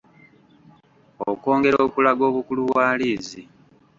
Okwongera okulaga obukulu bwa liizi.